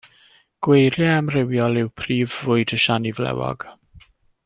Gweiriau amrywiol yw prif fwyd y siani flewog.